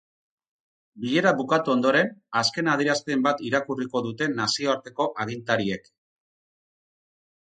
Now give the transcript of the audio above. Bilera bukatu ondoren, azken adierazpen bat irakurriko dute nazioarteko agintariek.